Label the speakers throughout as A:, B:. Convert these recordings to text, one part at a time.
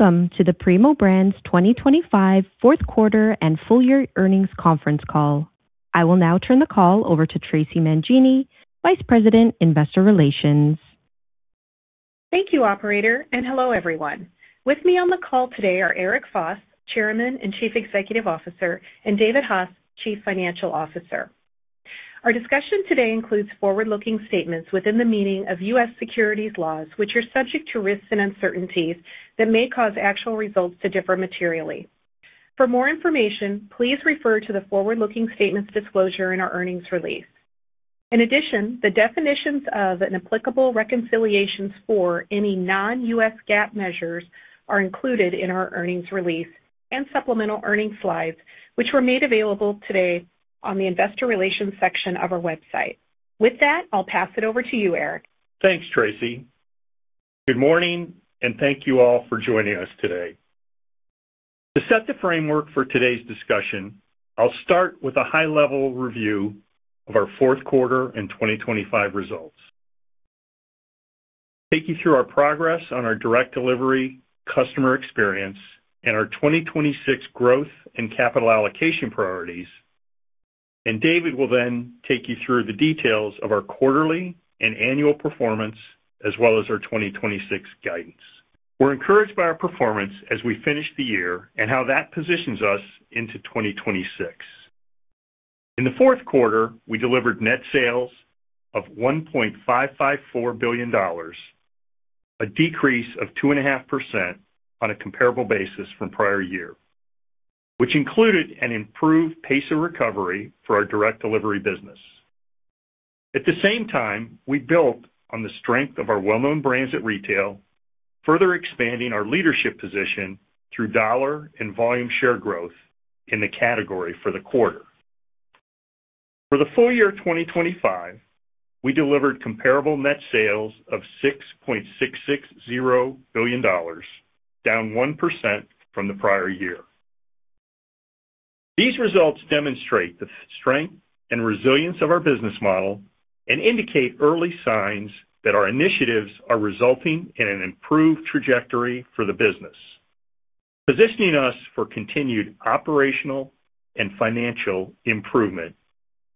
A: Welcome to the Primo Brands 2025 Q4 and full year earnings conference call. I will now turn the call over to Stacey Pohlenz, SVP, Investor Relations.
B: Thank you, operator. Hello, everyone. With me on the call today are Eric Foss, Chairman and Chief Executive Officer, and David Haas, Chief Financial Officer. Our discussion today includes forward-looking statements within the meaning of U.S. securities laws, which are subject to risks and uncertainties that may cause actual results to differ materially. For more information, please refer to the forward-looking statements disclosure in our earnings release. The definitions and applicable reconciliations for any non-U.S. GAAP measures are included in our earnings release and supplemental earnings slides, which were made available today on the investor relations section of our website. With that, I'll pass it over to you, Eric.
C: Thanks, Stacey Pohlenz. Good morning. Thank you all for joining us today. To set the framework for today's discussion, I'll start with a high-level review of our Q4 and 2025 results, take you through our progress on our Customer Direct, customer experience, and our 2026 growth and capital allocation priorities. David Haas will then take you through the details of our quarterly and annual performance, as well as our 2026 guidance. We're encouraged by our performance as we finish the year and how that positions us into 2026. In the Q4, we delivered net sales of $1.554 billion, a decrease of 2.5% on a comparable basis from prior year, which included an improved pace of recovery for our Customer Direct business. At the same time, we built on the strength of our well-known brands at retail, further expanding our leadership position through dollar and volume share growth in the category for the quarter. For the full year 2025, we delivered comparable net sales of $6.660 billion, down 1% from the prior year. These results demonstrate the strength and resilience of our business model and indicate early signs that our initiatives are resulting in an improved trajectory for the business, positioning us for continued operational and financial improvement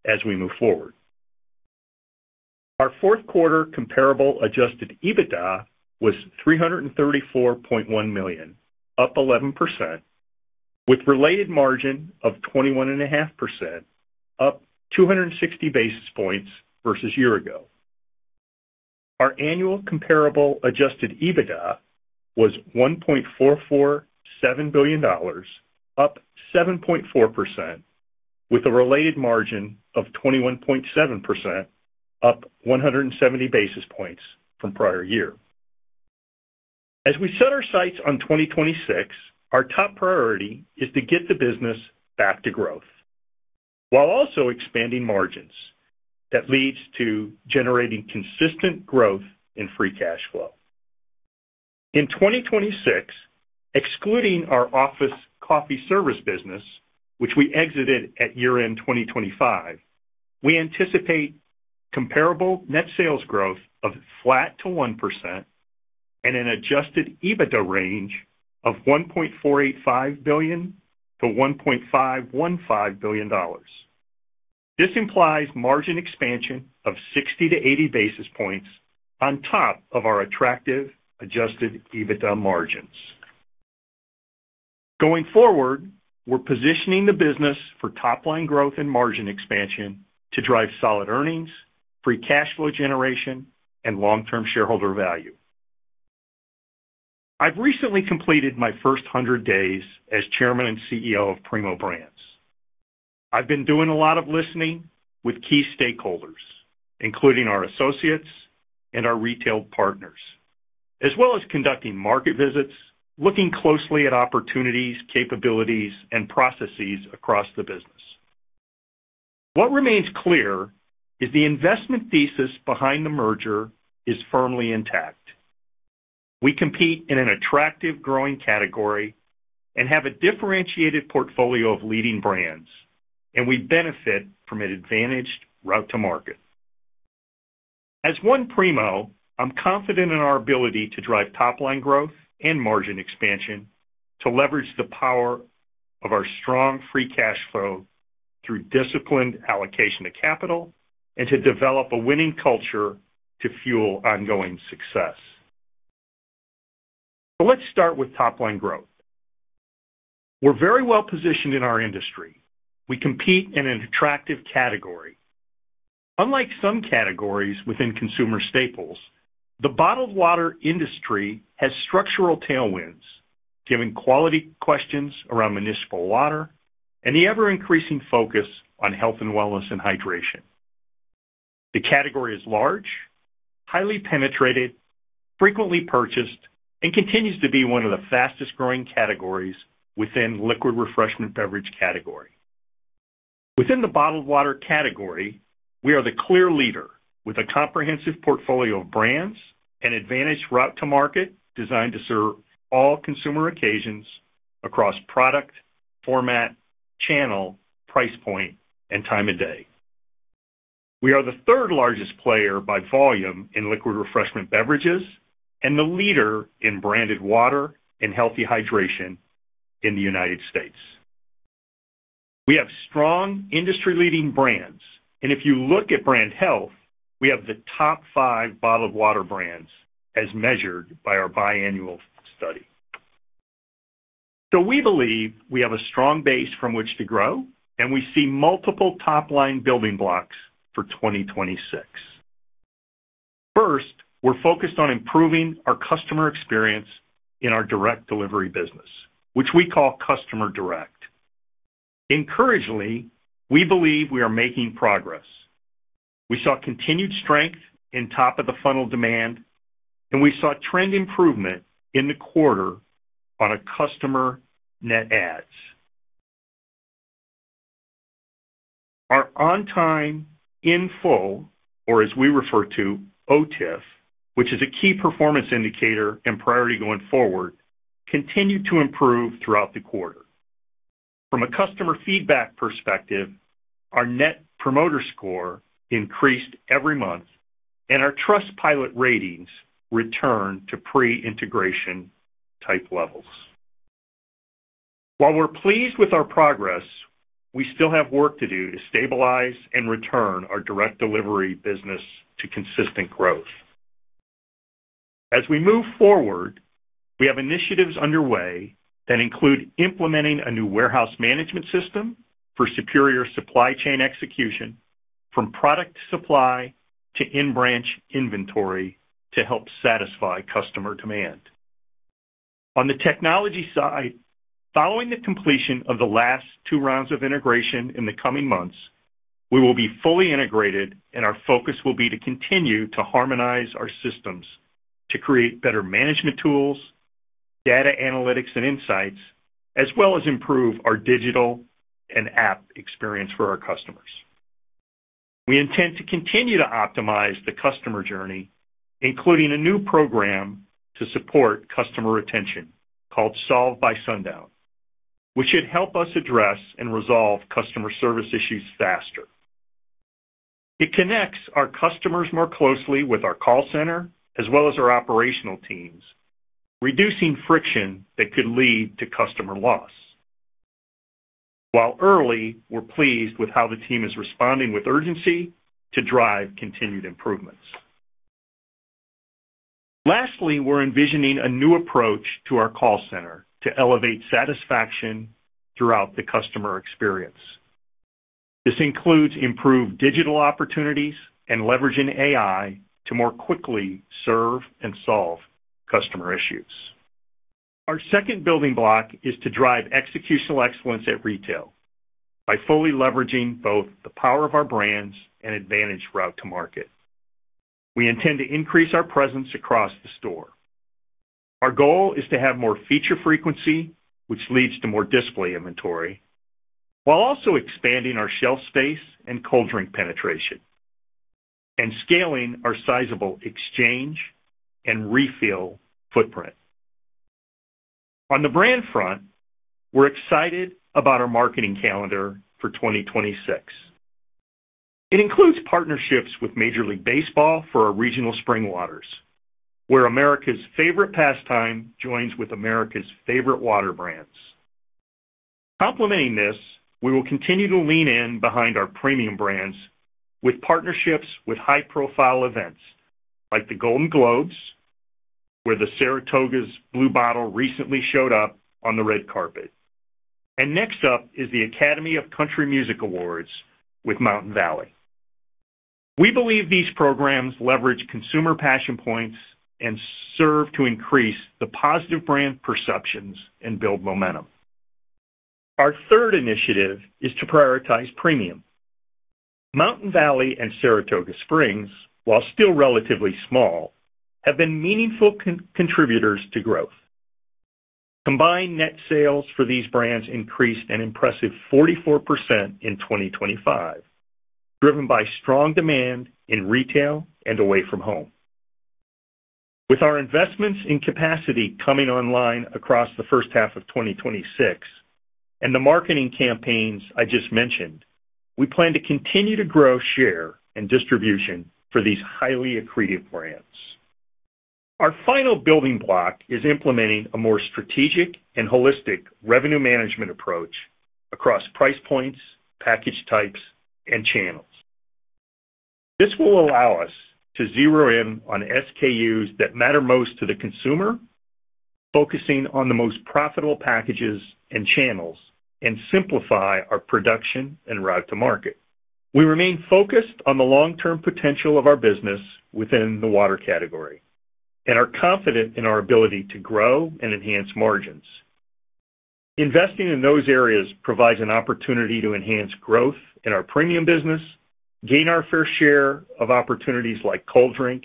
C: as we move forward. Our Q4 comparable adjusted EBITDA was $334.1 million, up 11%, with related margin of 21.5%, up 260 basis points versus year-ago. Our annual comparable adjusted EBITDA was $1.447 billion, up 7.4%, with a related margin of 21.7%, up 170 basis points from prior year. As we set our sights on 2026, our top priority is to get the business back to growth while also expanding margins. That leads to generating consistent growth in free cash flow. In 2026, excluding our office coffee service business, which we exited at year-end 2025, we anticipate comparable net sales growth of flat to 1% and an adjusted EBITDA range of $1.485 billion-$1.515 billion. This implies margin expansion of 60-80 basis points on top of our attractive adjusted EBITDA margins. Going forward, we're positioning the business for top-line growth and margin expansion to drive solid earnings, free cash flow generation, and long-term shareholder value. I've recently completed my first 100 days as Chairman and CEO of Primo Brands. I've been doing a lot of listening with key stakeholders, including our associates and our retail partners, as well as conducting market visits, looking closely at opportunities, capabilities, and processes across the business. What remains clear is the investment thesis behind the merger is firmly intact. We compete in an attractive, growing category and have a differentiated portfolio of leading brands, and we benefit from an advantaged route to market. As one Primo, I'm confident in our ability to drive top-line growth and margin expansion to leverage the power of our strong free cash flow through disciplined allocation of capital and to develop a winning culture to fuel ongoing success. Let's start with top-line growth. We're very well-positioned in our industry. We compete in an attractive category. Unlike some categories within consumer staples, the bottled water industry has structural tailwinds, given quality questions around municipal water and the ever-increasing focus on health and wellness and hydration. The category is large, highly penetrated, frequently purchased, and continues to be one of the fastest-growing categories within liquid refreshment beverage categories. Within the bottled water category, we are the clear leader with a comprehensive portfolio of brands and advantaged route to market, designed to serve all consumer occasions across product, format, channel, price point, and time of day. We are the third-largest player by volume in liquid refreshment beverages and the leader in branded water and healthy hydration in the United States. We have strong industry-leading brands, and if you look at brand health, we have the top five bottled water brands as measured by our biannual study. We believe we have a strong base from which to grow, and we see multiple top-line building blocks for 2026. First, we're focused on improving our customer experience in our direct delivery business, which we call Customer Direct. Encouragingly, we believe we are making progress. We saw continued strength in top-of-the-funnel demand, and we saw trend improvement in the quarter on a customer net adds. Our On-Time In-Full, or as we refer to, OTIF, which is a key performance indicator and priority going forward, continued to improve throughout the quarter. From a customer feedback perspective, our Net Promoter Score increased every month, and our Trustpilot ratings returned to pre-integration type levels. While we're pleased with our progress, we still have work to do to stabilize and return our direct delivery business to consistent growth. As we move forward, we have initiatives underway that include implementing a new warehouse management system for superior supply chain execution, from product supply to in-branch inventory, to help satisfy customer demand. On the technology side, following the completion of the last two rounds of integration in the coming months, we will be fully integrated, and our focus will be to continue to harmonize our systems to create better management tools, data analytics, and insights, as well as improve our digital and app experience for our customers. We intend to continue to optimize the customer journey, including a new program to support customer retention called Solved by Sundown, which should help us address and resolve customer service issues faster. It connects our customers more closely with our call center as well as our operational teams, reducing friction that could lead to customer loss. While early, we're pleased with how the team is responding with urgency to drive continued improvements. Lastly, we're envisioning a new approach to our call center to elevate satisfaction throughout the customer experience. This includes improved digital opportunities and leveraging AI to more quickly serve and solve customer issues. Our second building block is to drive executional excellence at retail by fully leveraging both the power of our brands and advantaged route to market. We intend to increase our presence across the store. Our goal is to have more feature frequency, which leads to more display inventory, while also expanding our shelf space and cold drink penetration and scaling our sizable exchange and refill footprint. On the brand front, we're excited about our marketing calendar for 2026. It includes partnerships with Major League Baseball for our regional spring waters, where America's favorite pastime joins with America's favorite water brands. Complementing this, we will continue to lean in behind our premium brands with partnerships with high-profile events like the Golden Globes, where the Saratoga's blue bottle recently showed up on the red carpet. Next up is the Academy of Country Music Awards with Mountain Valley. We believe these programs leverage consumer passion points and serve to increase the positive brand perceptions and build momentum. Our third initiative is to prioritize premium. Mountain Valley and Saratoga Springs, while still relatively small, have been meaningful contributors to growth. Combined net sales for these brands increased an impressive 44% in 2025, driven by strong demand in retail and away from home. With our investments in capacity coming online across the first half of 2026 and the marketing campaigns I just mentioned, we plan to continue to grow, share, and distribution for these highly accretive brands. Our final building block is implementing a more strategic and holistic revenue management approach across price points, package types, and channels. This will allow us to zero in on SKUs that matter most to the consumer, focusing on the most profitable packages and channels, and simplify our production and route to market. We remain focused on the long-term potential of our business within the water category and are confident in our ability to grow and enhance margins. Investing in those areas provides an opportunity to enhance growth in our premium business, gain our fair share of opportunities like cold drink,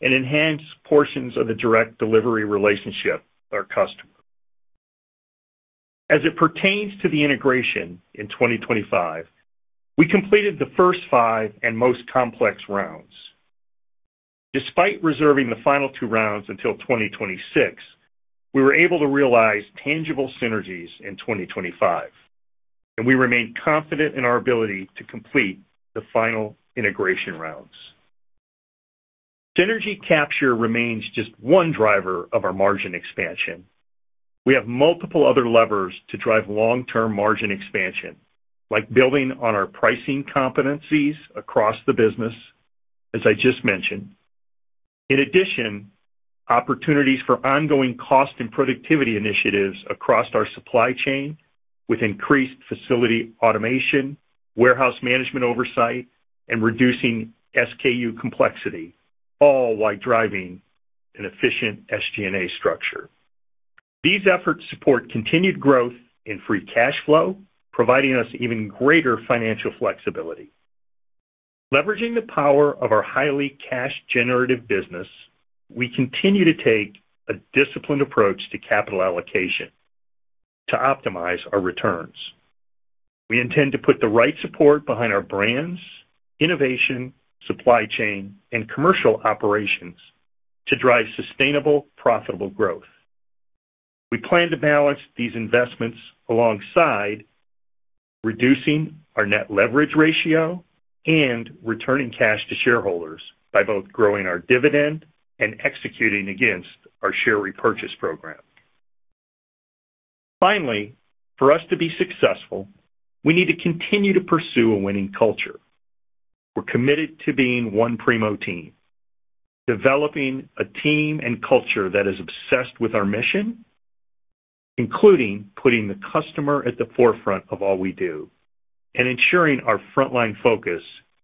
C: and enhance portions of the direct delivery relationship with our customers. As it pertains to the integration in 2025, we completed the first 5 and most complex rounds. Despite reserving the final 2 rounds until 2026, we were able to realize tangible synergies in 2025, and we remain confident in our ability to complete the final integration rounds. Synergy capture remains just one driver of our margin expansion. We have multiple other levers to drive long-term margin expansion, like building on our pricing competencies across the business, as I just mentioned. In addition, opportunities for ongoing cost and productivity initiatives across our supply chain with increased facility automation, warehouse management oversight, and reducing SKU complexity, all while driving an efficient SG&A structure. These efforts support continued growth in free cash flow, providing us even greater financial flexibility. Leveraging the power of our highly cash-generative business, we continue to take a disciplined approach to capital allocation to optimize our returns. We intend to put the right support behind our brands, innovation, supply chain, and commercial operations to drive sustainable, profitable growth. We plan to balance these investments alongside reducing our net leverage ratio and returning cash to shareholders by both growing our dividend and executing against our share repurchase program. Finally, for us to be successful, we need to continue to pursue a winning culture. We're committed to being one Primo team, developing a team and culture that is obsessed with our mission, including putting the customer at the forefront of all we do, and ensuring our frontline focus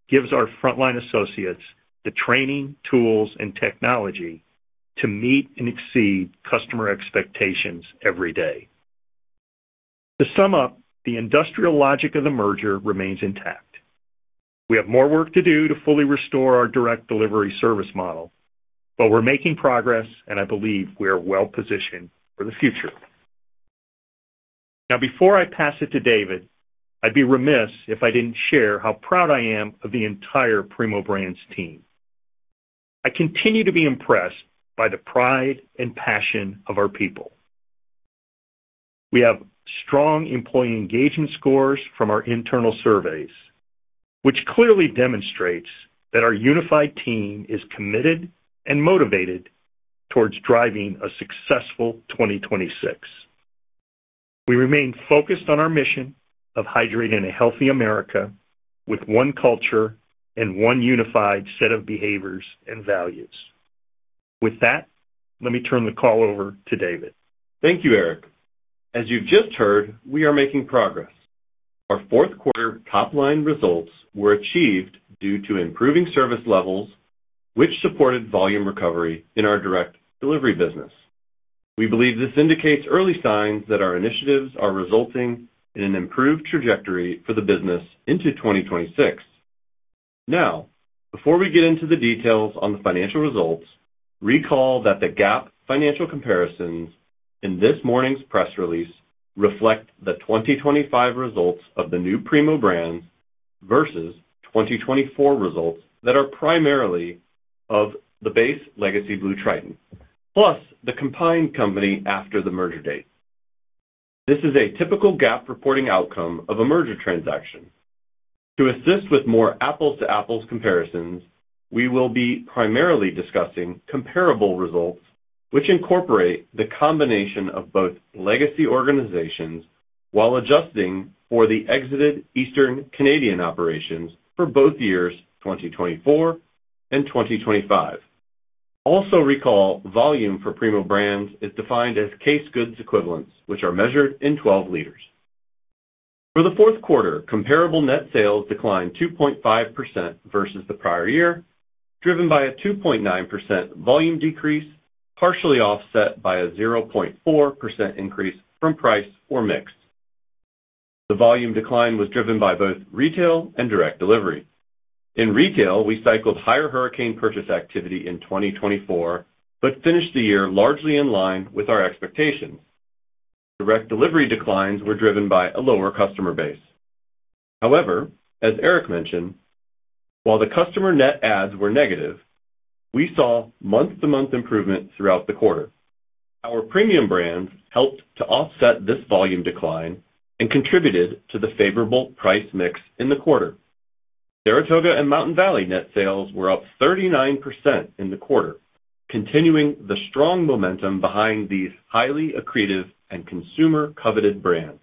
C: gives our frontline associates the training, tools, and technology to meet and exceed customer expectations every day. To sum up, the industrial logic of the merger remains intact. We have more work to do to fully restore our direct delivery service model, but we're making progress, and I believe we are well positioned for the future. Before I pass it to David, I'd be remiss if I didn't share how proud I am of the entire Primo Brands team. I continue to be impressed by the pride and passion of our people. We have strong employee engagement scores from our internal surveys, which clearly demonstrates that our unified team is committed and motivated towards driving a successful 2026. We remain focused on our mission of hydrating a healthy America with one culture and one unified set of behaviors and values. Let me turn the call over to David.
D: Thank you, Eric. As you've just heard, we are making progress. Our Q4 top-line results were achieved due to improving service levels, which supported volume recovery in our direct delivery business. We believe this indicates early signs that our initiatives are resulting in an improved trajectory for the business into 2026. Before we get into the details on the financial results, recall that the GAAP financial comparisons in this morning's press release reflect the 2025 results of the new Primo Brands versus 2024 results that are primarily of the base legacy BlueTriton Brands, plus the combined company after the merger date. This is a typical GAAP reporting outcome of a merger transaction. To assist with more apples-to-apples comparisons, we will be primarily discussing comparable results, which incorporate the combination of both legacy organizations while adjusting for the exited Eastern Canadian operations for both years 2024 and 2025. Also recall, volume for Primo Brands is defined as case goods equivalents, which are measured in 12 liters. For the Q4, comparable net sales declined 2.5% versus the prior year, driven by a 2.9% volume decrease, partially offset by a 0.4% increase from price or mix. The volume decline was driven by both retail and direct delivery. In retail, we cycled higher hurricane purchase activity in 2024, but finished the year largely in line with our expectations. Direct delivery declines were driven by a lower customer base. As Eric mentioned, while the customer net adds were negative, we saw month-to-month improvement throughout the quarter. Our premium brands helped to offset this volume decline and contributed to the favorable price mix in the quarter. Saratoga and Mountain Valley net sales were up 39% in the quarter, continuing the strong momentum behind these highly accretive and consumer-coveted brands.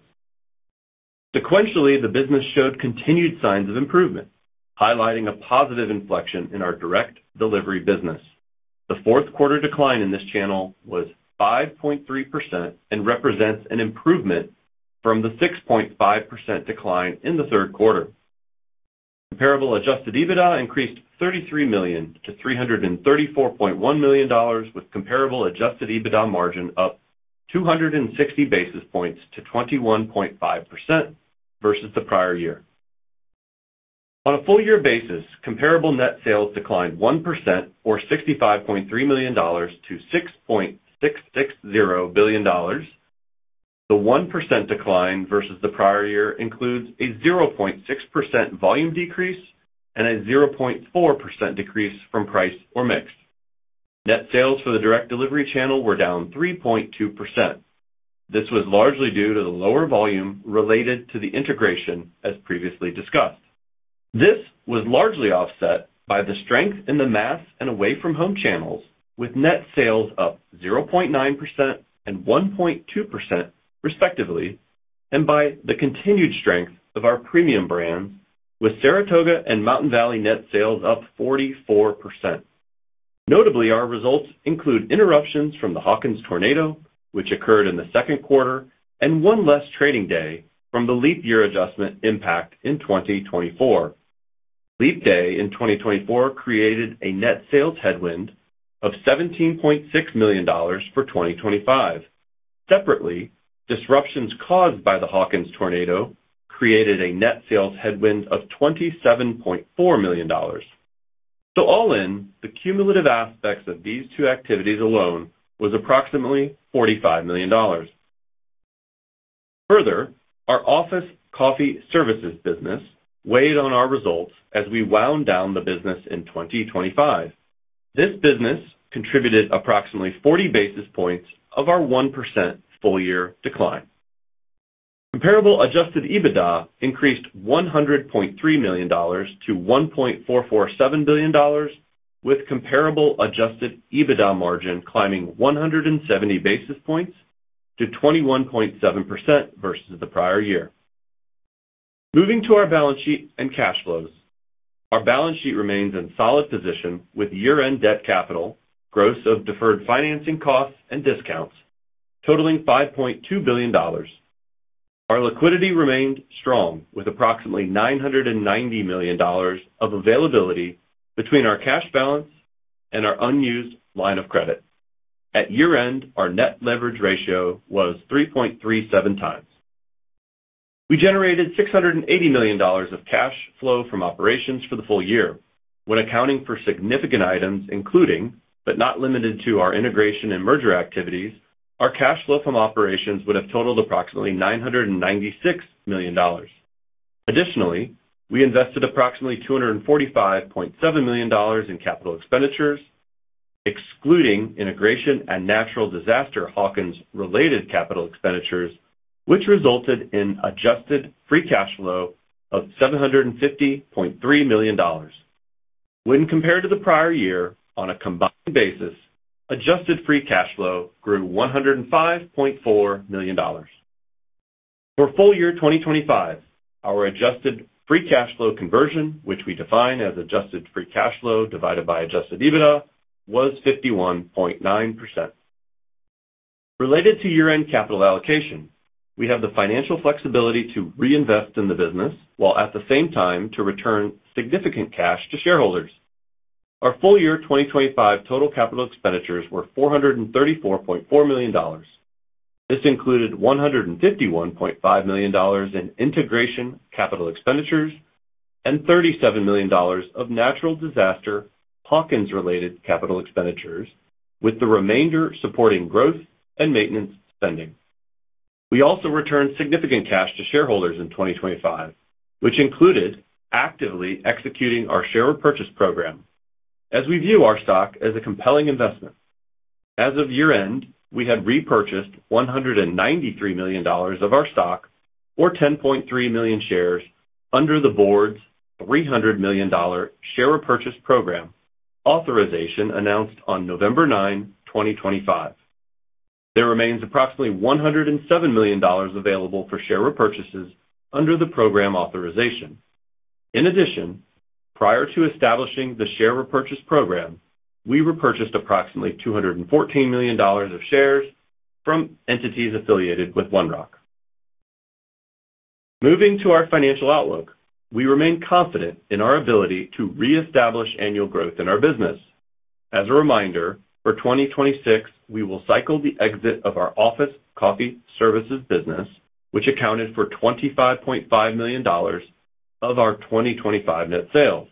D: Sequentially, the business showed continued signs of improvement, highlighting a positive inflection in our direct delivery business. The Q4 decline in this channel was 5.3% and represents an improvement from the 6.5% decline in the Q3. Comparable adjusted EBITDA increased $33 million to $334.1 million, with comparable adjusted EBITDA margin up 260 basis points to 21.5% versus the prior year. On a full year basis, comparable net sales declined 1%, or $65.3 million, to $6.660 billion. The 1% decline versus the prior year includes a 0.6% volume decrease and a 0.4% decrease from price or mix. Net sales for the Customer Direct channel were down 3.2%. This was largely due to the lower volume related to the integration, as previously discussed. This was largely offset by the strength in the mass and away from home channels, with net sales up 0.9% and 1.2% respectively, and by the continued strength of our premium brands, with Saratoga and Mountain Valley net sales up 44%. Notably, our results include interruptions from the Hawkins tornado, which occurred in the Q2, and one less trading day from the leap year adjustment impact in 2024. Leap day in 2024 created a net sales headwind of $17.6 million for 2025. Separately, disruptions caused by the Hawkins tornado created a net sales headwind of $27.4 million. All in, the cumulative aspects of these two activities alone was approximately $45 million. Further, our office coffee service business weighed on our results as we wound down the business in 2025. This business contributed approximately 40 basis points of our 1% full-year decline. Comparable adjusted EBITDA increased $100.3 million to $1.447 billion, with comparable adjusted EBITDA margin climbing 170 basis points to 21.7% versus the prior year. Moving to our balance sheet and cash flows. Our balance sheet remains in solid position with year-end debt capital, gross of deferred financing costs and discounts totaling $5.2 billion. Our liquidity remained strong, with approximately $990 million of availability between our cash balance and our unused line of credit. At year-end, our net leverage ratio was 3.37 times. We generated $680 million of cash flow from operations for the full year. When accounting for significant items, including, but not limited to, our integration and merger activities, our cash flow from operations would have totaled approximately $996 million. Additionally, we invested approximately $245.7 million in capital expenditures, excluding integration and natural disaster Hawkins-related capital expenditures, which resulted in adjusted free cash flow of $750.3 million. When compared to the prior year on a combined basis, adjusted free cash flow grew $105.4 million. For full year 2025, our adjusted free cash flow conversion, which we define as adjusted free cash flow divided by adjusted EBITDA, was 51.9%. Related to year-end capital allocation, we have the financial flexibility to reinvest in the business, while at the same time to return significant cash to shareholders. Our full year 2025 total capital expenditures were $434.4 million. This included $151.5 million in integration capital expenditures and $37 million of natural disaster Hawkins-related capital expenditures, with the remainder supporting growth and maintenance spending. We also returned significant cash to shareholders in 2025, which included actively executing our share repurchase program as we view our stock as a compelling investment. As of year-end, we had repurchased $193 million of our stock, or 10.3 million shares, under the board's $300 million share repurchase program authorization announced on November 9, 2025. There remains approximately $107 million available for share repurchases under the program authorization. In addition, prior to establishing the share repurchase program, we repurchased approximately $214 million of shares from entities affiliated with One Rock. Moving to our financial outlook, we remain confident in our ability to reestablish annual growth in our business. As a reminder, for 2026, we will cycle the exit of our office coffee service business, which accounted for $25.5 million of our 2025 net sales.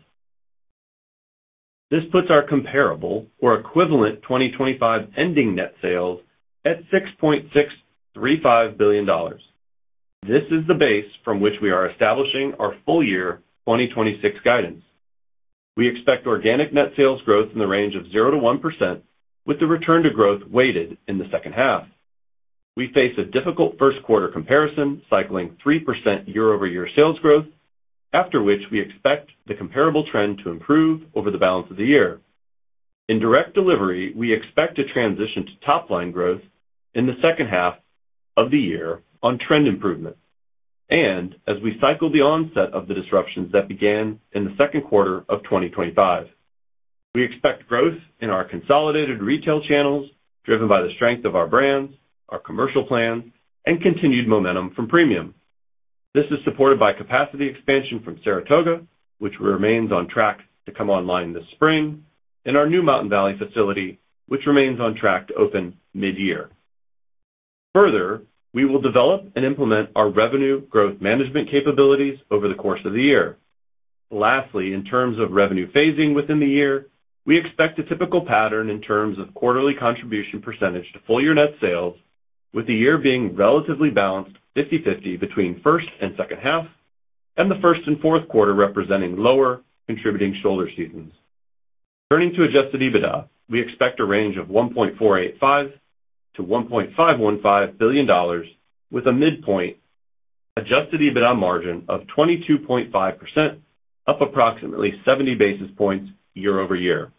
D: This puts our comparable or equivalent 2025 ending net sales at $6.635 billion. This is the base from which we are establishing our full year 2026 guidance. We expect organic net sales growth in the range of 0%-1%, with the return to growth weighted in the second half. We face a difficult Q1 comparison, cycling 3% year-over-year sales growth, after which we expect the comparable trend to improve over the balance of the year. In direct delivery, we expect to transition to top-line growth in the second half of the year on trend improvement, and as we cycle the onset of the disruptions that began in the Q2 of 2025. We expect growth in our consolidated retail channels, driven by the strength of our brands, our commercial plans, and continued momentum from premium. This is supported by capacity expansion from Saratoga, which remains on track to come online this spring, and our new Mountain Valley facility, which remains on track to open mid-year. We will develop and implement our revenue growth management capabilities over the course of the year. Lastly, in terms of revenue phasing within the year, we expect a typical pattern in terms of quarterly contribution percentage to full year net sales, with the year being relatively balanced 50/50 between first and second half, and the first and Q4 representing lower contributing shoulder seasons. Turning to adjusted EBITDA, we expect a range of $1.485 billion-$1.515 billion, with a midpoint adjusted EBITDA margin of 22.5%, up approximately 70 basis points year-over-year.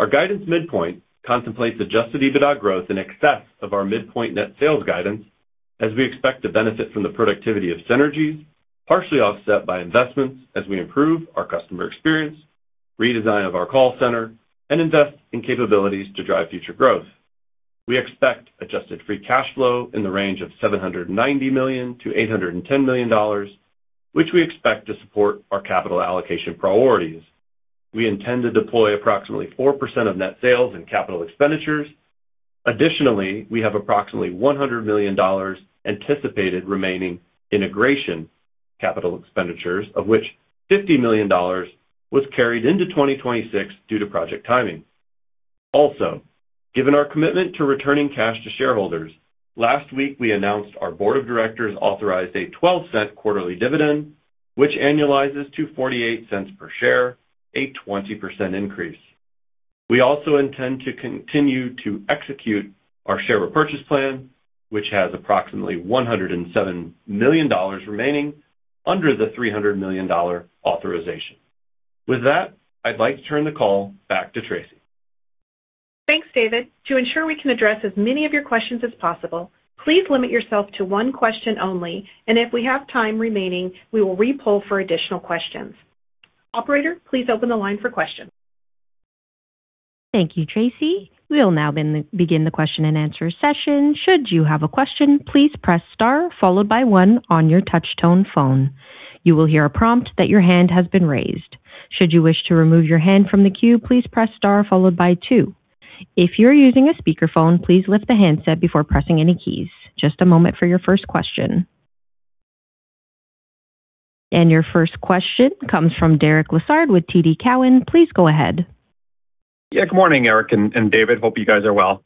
D: Our guidance midpoint contemplates adjusted EBITDA growth in excess of our midpoint net sales guidance, as we expect to benefit from the productivity of synergies, partially offset by investments as we improve our customer experience, redesign of our call center, and invest in capabilities to drive future growth. We expect adjusted free cash flow in the range of $790 million-$810 million, which we expect to support our capital allocation priorities. We intend to deploy approximately 4% of net sales and capital expenditures. Additionally, we have approximately $100 million anticipated remaining integration capital expenditures, of which $50 million was carried into 2026 due to project timing. Also, given our commitment to returning cash to shareholders, last week, we announced our board of directors authorized a $0.12 quarterly dividend, which annualizes to $0.48 per share, a 20% increase. We also intend to continue to execute our share repurchase plan, which has approximately $107 million remaining under the $300 million authorization. With that, I'd like to turn the call back to Stacey.
B: Thanks, David. To ensure we can address as many of your questions as possible, please limit yourself to one question only, and if we have time remaining, we will re-poll for additional questions. Operator, please open the line for questions.
A: Thank you, Stacey. We'll now begin the question and answer session. Should you have a question, please press star followed by one on your touch tone phone. You will hear a prompt that your hand has been raised. Should you wish to remove your hand from the queue, please press star followed by two. If you're using a speakerphone, please lift the handset before pressing any keys. Just a moment for your first question. Your first question comes from Derek Lessard with TD Cowen. Please go ahead.
E: Good morning, Eric and David. Hope you guys are well.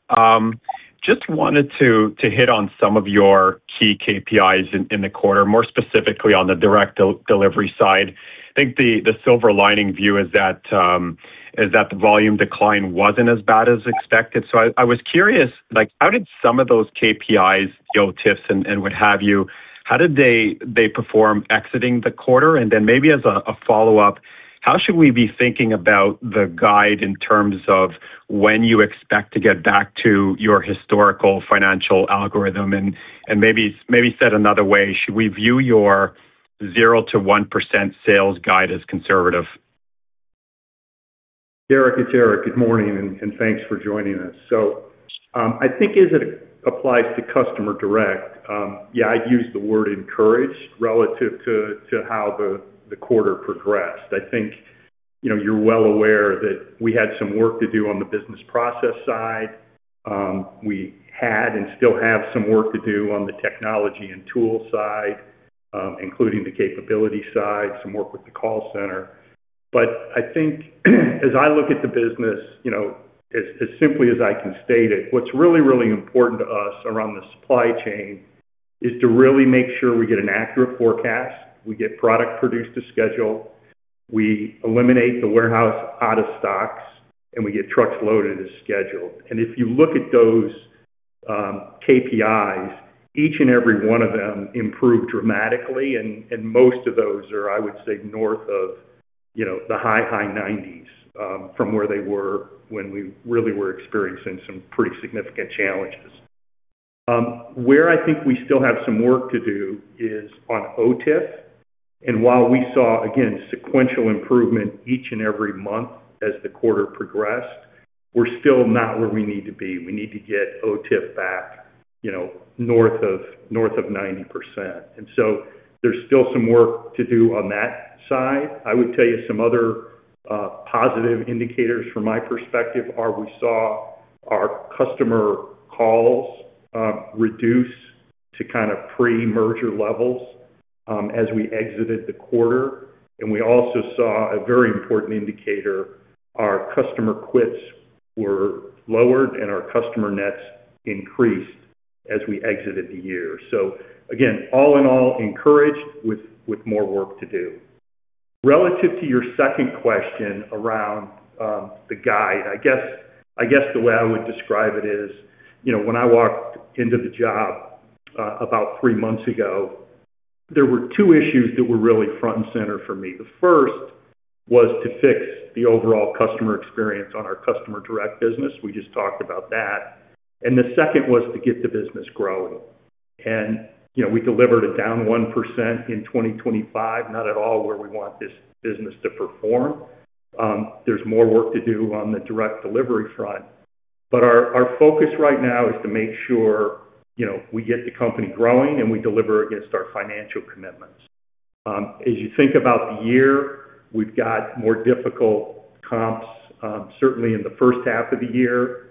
E: Just wanted to hit on some of your key KPIs in the quarter, more specifically on the direct delivery side. I think the silver lining view is that the volume decline wasn't as bad as expected. I was curious, like, how did some of those KPIs, OTIFs and what have you, how did they perform exiting the quarter? Then maybe as a follow-up, how should we be thinking about the guide in terms of when you expect to get back to your historical financial algorithm? Maybe said another way, should we view your 0% to 1% sales guide as conservative?
C: Derek, it's Eric. Good morning, and thanks for joining us. I think as it applies to Customer Direct, yeah, I'd use the word encouraged relative to how the quarter progressed. I think, you know, you're well aware that we had some work to do on the business process side. We had and still have some work to do on the technology and tool side, including the capability side, some work with the call center. I think as I look at the business, you know, as simply as I can state it, what's really important to us around the supply chain is to really make sure we get an accurate forecast, we get product produced to schedule, we eliminate the warehouse out of stocks, and we get trucks loaded as scheduled. If you look at those KPIs, each one of them improved dramatically, and most of those are, I would say, north of, you know, the high, high nineties, from where they were when we really were experiencing some pretty significant challenges. Where I think we still have some work to do is on OTIF. While we saw, again, sequential improvement each month as the quarter progressed, we're still not where we need to be. We need to get OTIF back, you know, north of 90%. There's still some work to do on that side. I would tell you some other positive indicators from my perspective are we saw our customer calls reduce to kind of pre-merger levels as we exited the quarter. We also saw a very important indicator, our customer quits were lowered and our customer nets increased as we exited the year. Again, all in all, encouraged with more work to do. Relative to your second question around the guide, I guess the way I would describe it is, you know, when I walked into the job about 3 months ago, there were 2 issues that were really front and center for me. The first was to fix the overall customer experience on our Customer Direct business. We just talked about that. The second was to get the business growing. You know, we delivered it down 1% in 2025, not at all where we want this business to perform. There's more work to do on the direct delivery front, but our focus right now is to make sure, you know, we get the company growing and we deliver against our financial commitments. As you think about the year, we've got more difficult comps, certainly in the first half of the year.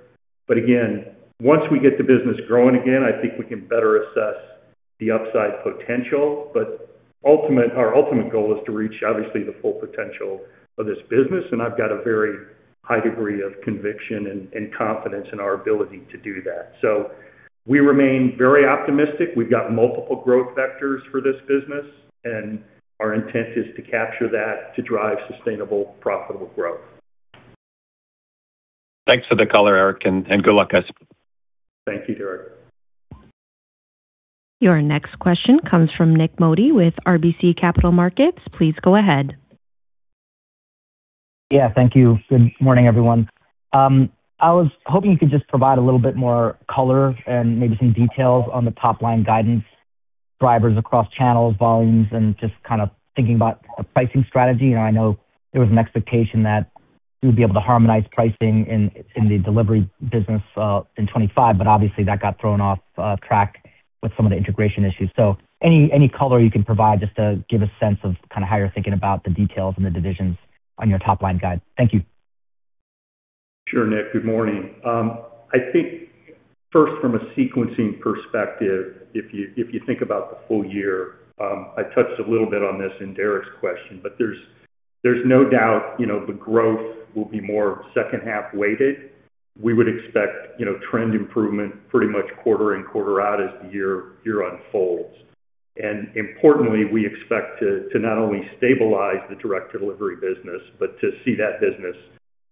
C: Again, once we get the business growing again, I think we can better assess the upside potential. Our ultimate goal is to reach, obviously, the full potential of this business, and I've got a very high degree of conviction and confidence in our ability to do that. We remain very optimistic. We've got multiple growth vectors for this business, and our intent is to capture that to drive sustainable, profitable growth.
E: Thanks for the color, Eric, and good luck, guys.
C: Thank you, Derek.
A: Your next question comes from Nik Modi with RBC Capital Markets. Please go ahead.
F: Yeah, thank you. Good morning, everyone. I was hoping you could just provide a little bit more color and maybe some details on the top-line guidance drivers across channels, volumes, and just kind of thinking about a pricing strategy. I know there was an expectation that you would be able to harmonize pricing in the delivery business in 25, but obviously, that got thrown off track with some of the integration issues. Any color you can provide just to give a sense of kind of how you're thinking about the details and the divisions on your top-line guide. Thank you.
C: Sure, Nik. Good morning. I think first from a sequencing perspective, if you think about the full year, I touched a little bit on this in Derek Lessard's question, there's no doubt, you know, the growth will be more second half weighted. We would expect, you know, trend improvement pretty much quarter in, quarter out as the year unfolds. Importantly, we expect to not only stabilize the Customer Direct business, but to see that business,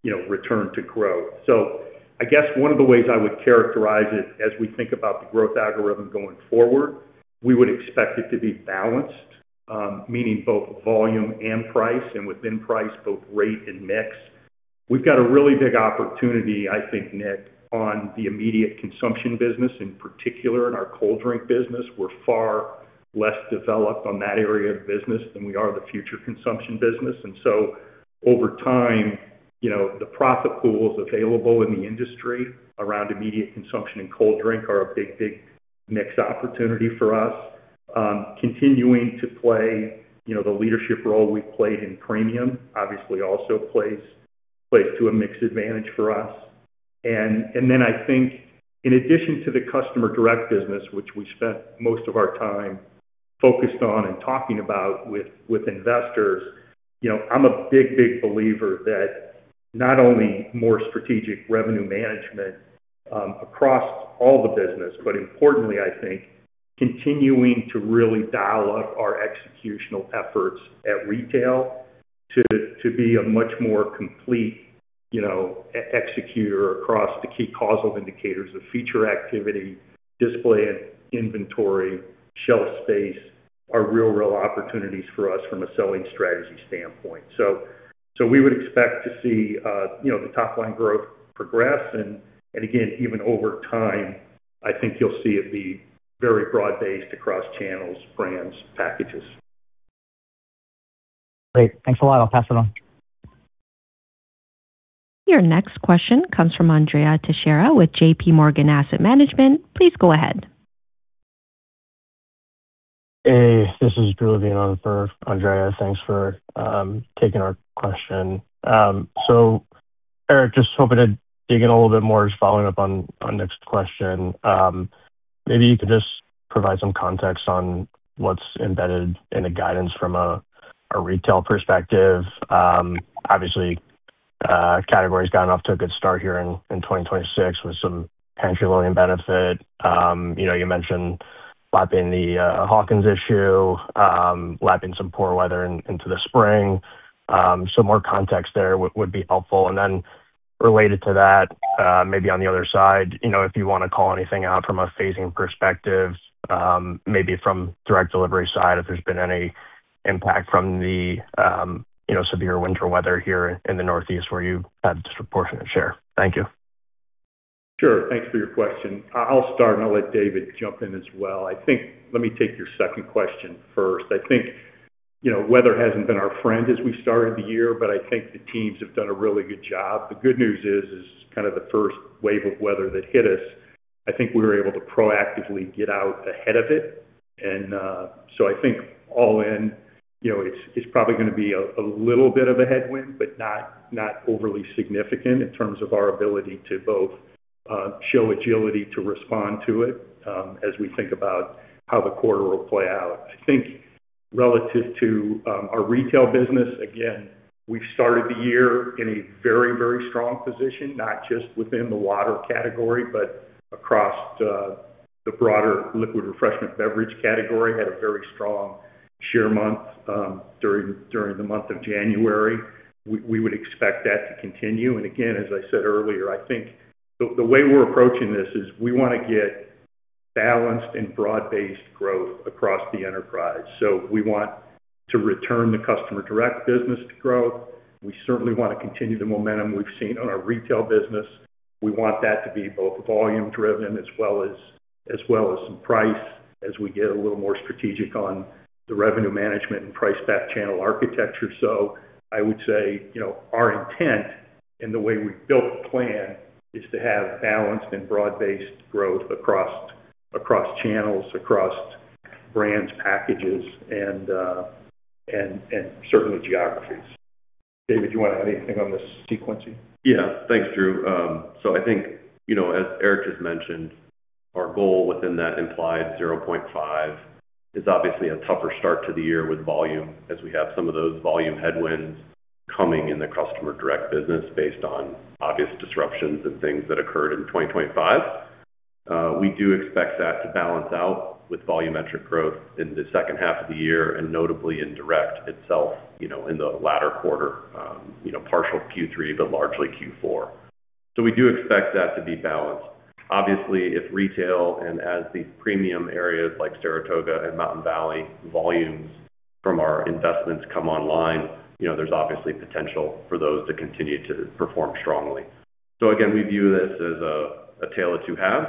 C: you know, return to growth. I guess one of the ways I would characterize it as we think about the growth algorithm going forward, we would expect it to be balanced, meaning both volume and price, and within price, both rate and mix. We've got a really big opportunity, I think, Nik, on the immediate consumption business, in particular in our cold drink business. We're far less developed on that area of the business than we are the future consumption business. Over time, you know, the profit pools available in the industry around immediate consumption and cold drink are a big mixed opportunity for us. Continuing to play, you know, the leadership role we've played in premium, obviously also plays to a mixed advantage for us. I think in addition to the Customer Direct business, which we spent most of our time focused on and talking about with investors, you know, I'm a big believer that not only more strategic Revenue Management across all the business, but importantly, I think, continuing to really dial up our executional efforts at retail to be a much more complete, you know, e-executor across the key causal indicators of feature activity, display and inventory, shelf space, are real opportunities for us from a selling strategy standpoint. We would expect to see, you know, the top line growth progress and again, even over time, I think you'll see it be very broad-based across channels, brands, packages.
F: Great. Thanks a lot. I'll pass it on.
A: Your next question comes from Andrea Teixeira with JPMorgan Chase & Co. Please go ahead.
G: Hey, this is Drew Levine on for Andrea. Thanks for taking our question. Eric, just hoping to dig in a little bit more, just following up on Nick's question. Maybe you could just provide some context on what's embedded in the guidance from a retail perspective. Obviously, categories gotten off to a good start here in 2026 with some pantry loading benefit. You know, you mentioned lapping the Hawkins issue, lapping some poor weather into the spring. More context there would be helpful. Related to that, maybe on the other side, you know, if you want to call anything out from a phasing perspective, maybe from direct delivery side, if there's been any impact from the, you know, severe winter weather here in the Northeast, where you have a disproportionate share? Thank you.
C: Sure. Thanks for your question. I'll start, and I'll let David jump in as well. I think let me take your second question first. I think, you know, weather hasn't been our friend as we started the year, but I think the teams have done a really good job. The good news is kind of the first wave of weather that hit us, I think we were able to proactively get out ahead of it. I think all in, you know, it's probably gonna be a little bit of a headwind, but not overly significant in terms of our ability to both show agility to respond to it, as we think about how the quarter will play out. I think relative to our retail business, again, we've started the year in a very, very strong position, not just within the water category, but across the broader liquid refreshment beverage category, had a very strong share month during the month of January. We would expect that to continue, and again, as I said earlier, I think the way we're approaching this is we wanna get balanced and broad-based growth across the enterprise. We want to return the Customer Direct business to growth. We certainly want to continue the momentum we've seen on our retail business. We want that to be both volume driven as well as some price as we get a little more strategic on the revenue management and price back channel architecture. I would say, you know, our intent in the way we've built the plan is to have balanced and broad-based growth across channels, across brands, packages, and certainly geographies.
G: David, do you want to add anything on the sequencing?
D: Thanks, Drew. I think, you know, as Eric just mentioned, our goal within that implied 0.5 is obviously a tougher start to the year with volume, as we have some of those volume headwinds coming in the Customer Direct business based on obvious disruptions and things that occurred in 2025. We do expect that to balance out with volumetric growth in the second half of the year and notably in direct itself, you know, in the latter quarter, you know, partial Q3, but largely Q4. We do expect that to be balanced. Obviously, if retail and as these premium areas like Saratoga and Mountain Valley volumes from our investments come online, you know, there's obviously potential for those to continue to perform strongly. Again, we view this as a tale of 2 halves,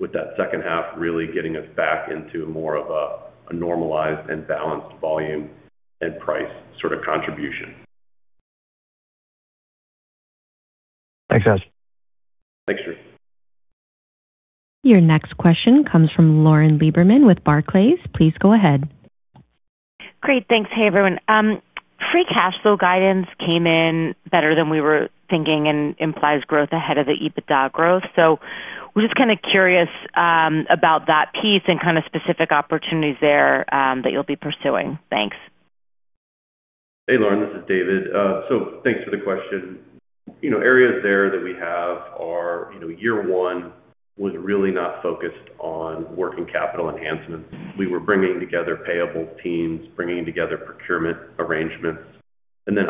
D: with that second half really getting us back into more of a normalized and balanced volume and price sort of contribution.
G: Thanks, guys.
D: Thanks, Drew.
A: Your next question comes from Lauren Lieberman with Barclays. Please go ahead.
H: Great. Thanks. Hey, everyone. Free cash flow guidance came in better than we were thinking and implies growth ahead of the EBITDA growth. We're just kind of curious about that piece and kind of specific opportunities there that you'll be pursuing? Thanks.
D: Hey, Lauren, this is David. Thanks for the question. You know, areas there that we have are, you know, year one was really not focused on working capital enhancements. We were bringing together payable teams, bringing together procurement arrangements.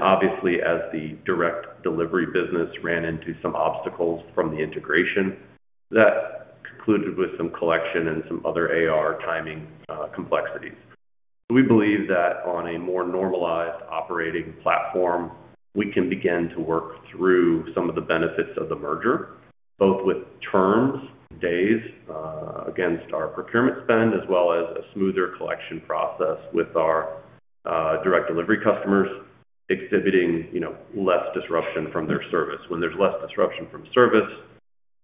D: Obviously as the direct delivery business ran into some obstacles from the integration, that concluded with some collection and some other AR timing, complexities. We believe that on a more normalized operating platform, we can begin to work through some of the benefits of the merger, both with terms, days, against our procurement spend, as well as a smoother collection process with our direct delivery customers exhibiting, you know, less disruption from their service. There's less disruption from service,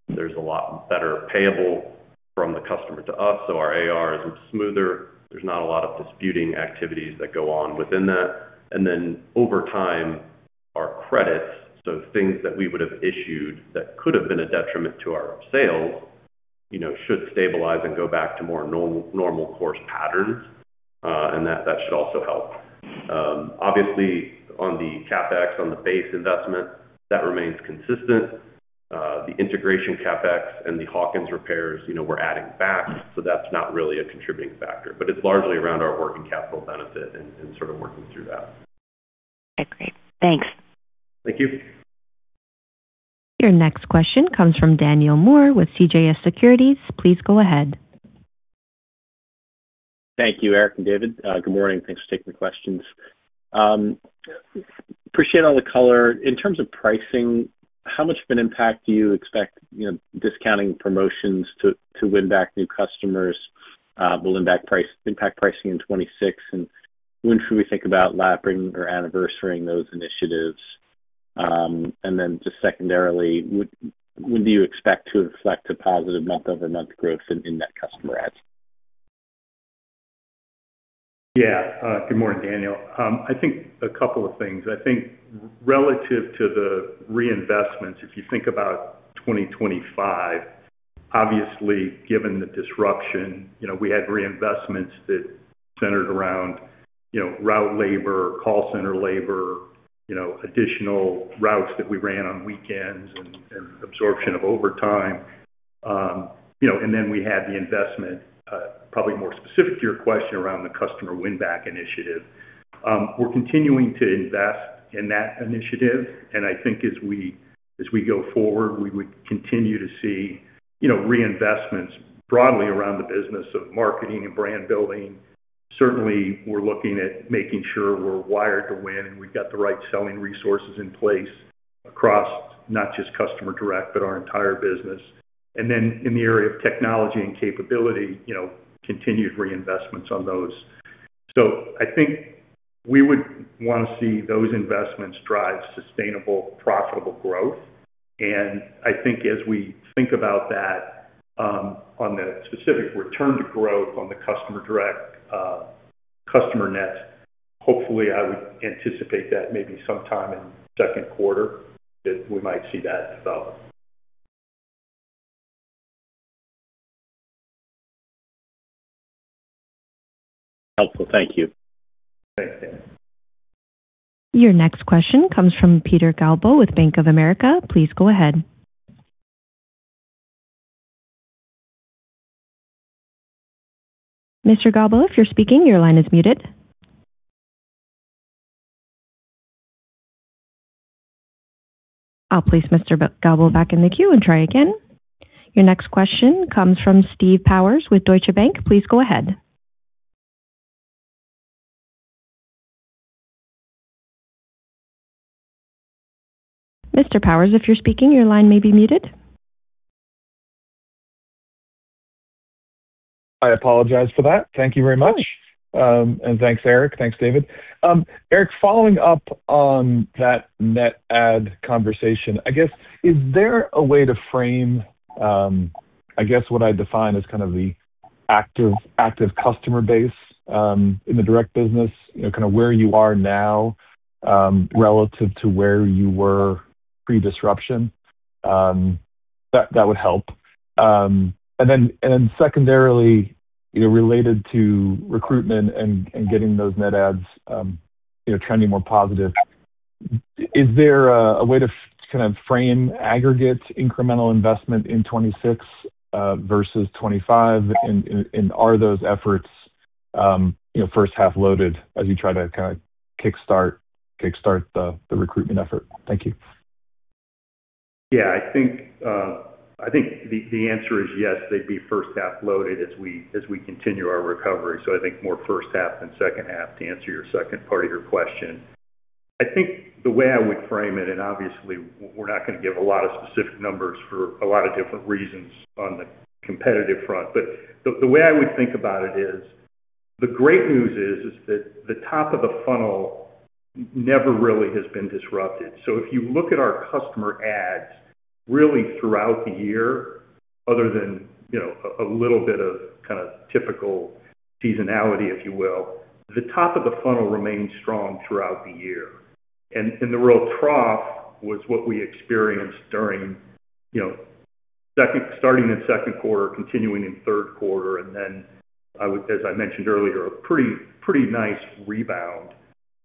D: there's a lot better payable from the customer to us, so our AR is smoother. There's not a lot of disputing activities that go on within that. Over time, our credits, so things that we would have issued that could have been a detriment to our sales, you know, should stabilize and go back to more normal course patterns, and that should also help. Obviously, on the CapEx, on the base investment, that remains consistent. The integration CapEx and the Hawkins repairs, you know, we're adding back, so that's not really a contributing factor, but it's largely around our working capital benefit and sort of working through that.
H: Okay, great. Thanks.
D: Thank you.
A: Your next question comes from Daniel Moore with CJS Securities. Please go ahead.
I: Thank you, Eric and David. Good morning. Thanks for taking the questions. Appreciate all the color. In terms of pricing, how much of an impact do you expect, you know, discounting promotions to win back new customers, will impact pricing in 2026? When should we think about lapping or anniversarying those initiatives? Just secondarily, when do you expect to reflect a positive month-over-month growth in net customer ads?
D: Yeah. Good morning, Daniel. I think a couple of things. I think relative to the reinvestments, if you think about 2025, obviously, given the disruption, you know, we had reinvestments that centered around, you know, route labor, call center labor, you know, additional routes that we ran on weekends and absorption of overtime. You know, we had the investment, probably more specific to your question around the customer win back initiative. We're continuing to invest in that initiative, I think as we go forward, we would continue to see, you know, reinvestments broadly around the business of marketing and brand building. Certainly, we're looking at making sure we're wired to win and we've got the right selling resources in place across not just Customer Direct, but our entire business. Then in the area of technology and capability, you know, continued reinvestments on those. I think we would want to see those investments drive sustainable, profitable growth. I think as we think about that, on the specific return to growth on the Customer Direct, customer net, hopefully, I would anticipate that maybe sometime in the Q2 that we might see that result.
I: Helpful. Thank you.
D: Thanks, Dan.
A: Your next question comes from Peter Galbo with Bank of America. Please go ahead. Mr. Galbo, if you're speaking, your line is muted. I'll place Mr. Galbo back in the queue and try again. Your next question comes from Steve Powers with Deutsche Bank. Please go ahead. Mr. Powers, if you're speaking, your line may be muted.
J: I apologize for that. Thank you very much.
A: No worries.
J: Thanks, Eric. Thanks, David. Eric, following up on that net add conversation, I guess, is there a way to frame, I guess what I'd define as kind of the active customer base in the direct business, you know, kind of where you are now, relative to where you were pre-disruption, that would help. Then secondarily, you know, related to recruitment and getting those net adds, you know, trending more positive, is there a way to kind of frame aggregate incremental investment in 2026 versus 2025? Are those efforts, you know, first half loaded as you try to kind of kickstart the recruitment effort? Thank you.
D: Yeah, I think the answer is yes, they'd be first half loaded as we continue our recovery. I think more first half than second half, to answer your second part of your question. I think the way I would frame it, obviously, we're not going to give a lot of specific numbers for a lot of different reasons on the competitive front. The way I would think about it is that the great news is that the top of the funnel never really has been disrupted. If you look at our customer adds, really throughout the year, other than, you know, a little bit of kind of typical seasonality, if you will, the top of the funnel remained strong throughout the year. The real trough was what we experienced during, you know, starting in Q2, continuing in Q3, and then I would, as I mentioned earlier, a pretty nice rebound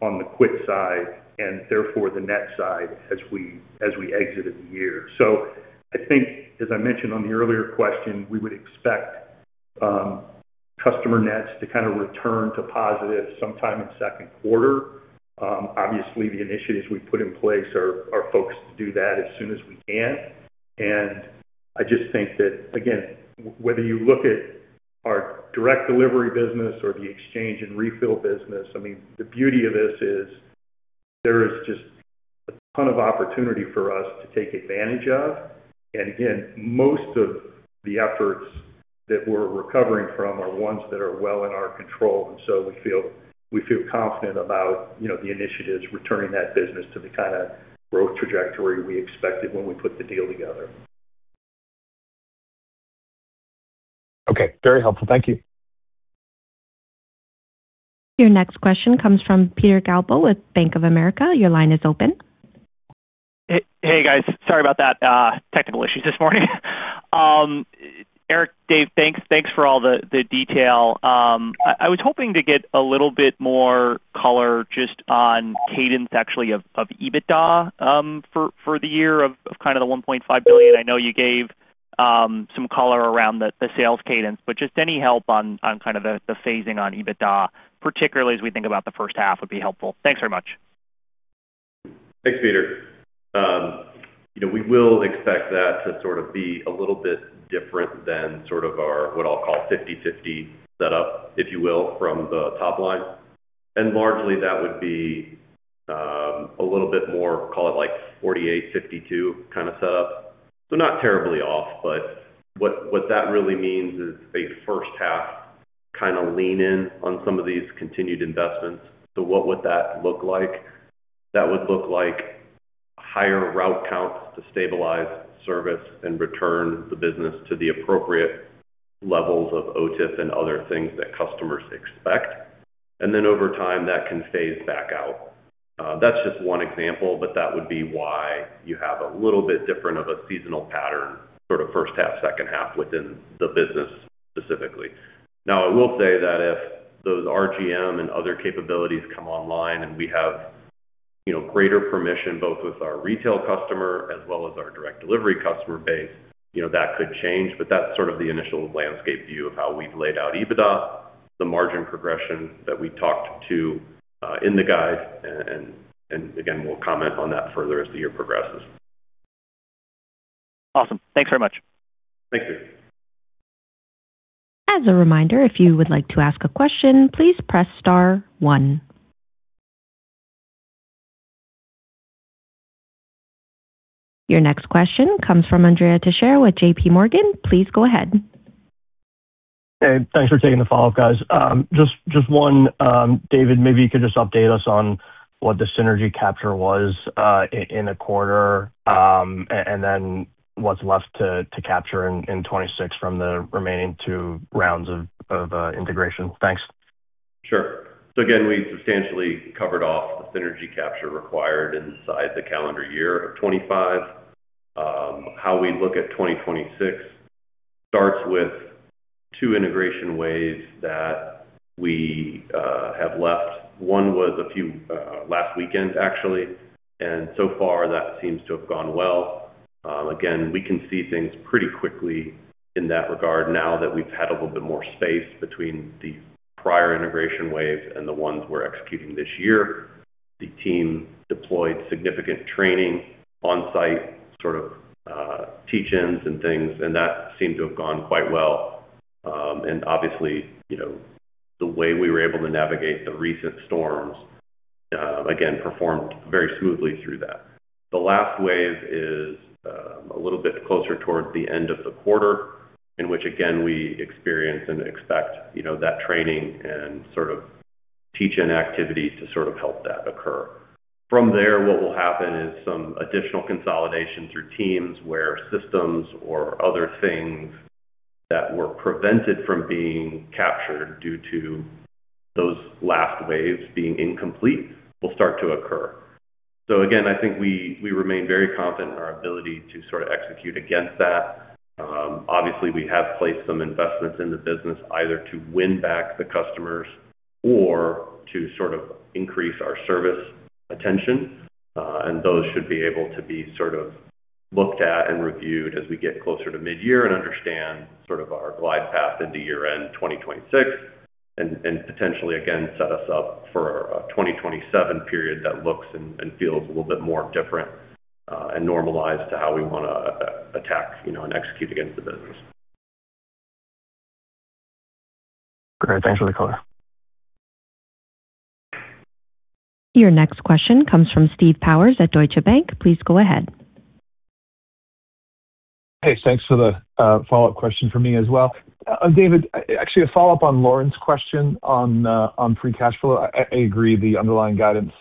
D: on the quit side and therefore the net side as we exited the year. I think, as I mentioned on the earlier question, we would expect customer nets to kind of return to positive sometime in Q2. Obviously, the initiatives we've put in place are focused to do that as soon as we can. I just think that, again, whether you look at our direct delivery business or the exchange and refill business, I mean, the beauty of this is there is just a ton of opportunity for us to take advantage of. Again, most of the efforts that we're recovering from are ones that are well in our control, so we feel confident about, you know, the initiatives returning that business to the kind of growth trajectory we expected when we put the deal together.
J: Okay, very helpful. Thank you.
A: Your next question comes from Peter Galpo with Bank of America. Your line is open.
K: Hey, hey, everyone. Sorry about that, technical issues this morning. Eric, Dave, thanks for all the detail. I was hoping to get a little bit more color just on cadence, actually, of EBITDA for the year of kind of the $1.5 billion. I know you gave some color around the sales cadence, but just any help on kind of the phasing on EBITDA, particularly as we think about the first half, would be helpful. Thanks very much.
D: Thanks, Peter. we will expect that to sort of be a little bit different than sort of our, what I'll call, 50/50 setup, if you will, from the top line. Largely, that would be a little bit more, call it like 48, 52 kind of setup. Not terribly off, but what that really means is a first half kind of lean in on some of these continued investments. What would that look like? That would look like higher route counts to stabilize service and return the business to the appropriate levels of OTIF and other things that customers expect. Then over time, that can phase back out. That's just one example, but that would be why you have a little bit different of a seasonal pattern, sort of first half, second half within the business specifically. I will say that if those RGM and other capabilities come online and we have, you know, greater permission, both with our retail customer as well as our direct delivery customer base, you know, that could change, but that's sort of the initial landscape view of how we've laid out EBITDA, the margin progression that we talked to in the guide. Again, we'll comment on that further as the year progresses.
K: Awesome. Thanks very much.
D: Thank you.
A: As a reminder, if you would like to ask a question, please press star one. Your next question comes from Andrea Teixeira with J.P. Morgan. Please go ahead.
G: Hey, thanks for taking the follow-up, guys. Just one, David, maybe you could just update us on what the synergy capture was in the quarter and then what's left to capture in 2026 from the remaining two rounds of integration. Thanks.
D: Sure. Again, we substantially covered off the synergy capture required inside the calendar year of 2025. How we look at 2026 starts with two integration waves that we have left. One was a few last weekend, actually, and so far, that seems to have gone well. Again, we can see things pretty quickly in that regard now that we've had a little bit more space between the prior integration waves and the ones we're executing this year. The team deployed significant training on-site, sort of, teach-ins and things, and that seemed to have gone quite well. And obviously, you know, the way we were able to navigate the recent storms, again, performed very smoothly through that. The last wave is a little bit closer towards the end of the quarter, in which again, we experience and expect, you know, that training and teach-in activities to sort of help that occur. From there, what will happen is some additional consolidation through teams where systems or other things that were prevented from being captured due to those last waves being incomplete will start to occur. Again, I think we remain very confident in our ability to sort of execute against that. Obviously, we have placed some investments in the business, either to win back the customers or to sort of increase our service attention. Those should be able to be sort of looked at and reviewed as we get closer to mid-year and understand sort of our glide path into year-end 2026, and potentially again, set us up for a 2027 period that looks and feels a little bit more different, and normalized to how we wanna attack, you know, and execute against the business.
G: Great. Thanks for the color.
A: Your next question comes from Steve Powers at Deutsche Bank. Please go ahead.
J: Thanks for the follow-up question from me as well. David, actually a follow-up on Lauren's question on free cash flow. I agree the underlying guidance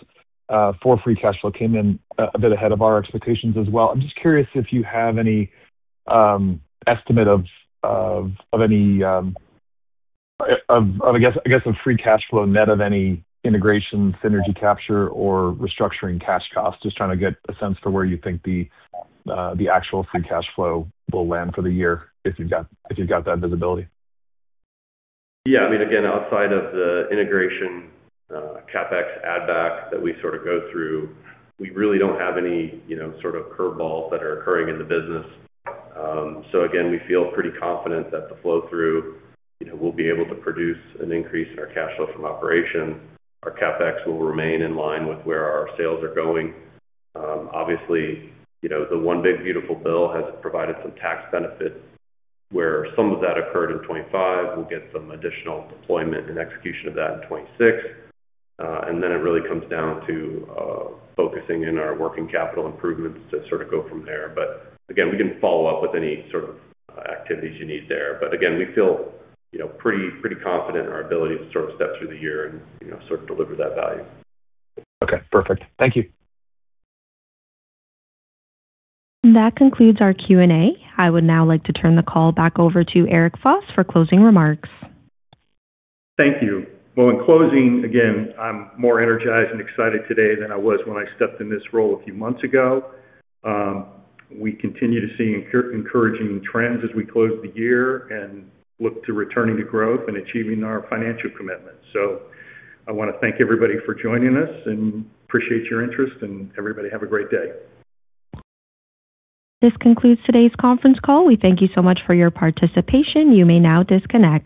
J: for free cash flow came in a bit ahead of our expectations as well. I'm just curious if you have any estimate of any of free cash flow net of any integration, synergy capture, or restructuring cash costs. Just trying to get a sense for where you think the actual free cash flow will land for the year, if you've got that visibility.
D: Again outside of the integration, CapEx add back that we sort of go through, we really don't have any, you know, sort of curve balls that are occurring in the business. We feel pretty confident that the flow-through, you know, we'll be able to produce an increase in our cash flow from operations. Our CapEx will remain in line with where our sales are going. Obviously, you know, the one big beautiful bill act has provided some tax benefits where some of that occurred in 25. We'll get some additional deployment and execution of that in 26. It really comes down to focusing in our working capital improvements to sort of go from there. We can follow up with any sort of activities you need there. Again, we feel, you know, pretty confident in our ability to sort of step through the year and, you know, sort of deliver that value.
J: Okay, perfect. Thank you.
A: That concludes our Q&A. I would now like to turn the call back over to Eric Foss for closing remarks.
C: Thank you. Well, in closing, again, I'm more energized and excited today than I was when I stepped in this role a few months ago. We continue to see encouraging trends as we close the year and look to returning to growth and achieving our financial commitments. I want to thank everybody for joining us and appreciate your interest, and everybody, have a great day.
A: This concludes today's conference call. We thank you so much for your participation. You may now disconnect.